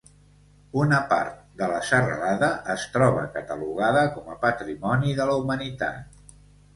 Una part de la serralada es troba catalogada com a Patrimoni de la Humanitat.